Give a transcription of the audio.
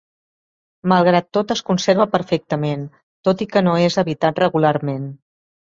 Malgrat tot, es conserva perfectament, tot i que no és habitat regularment.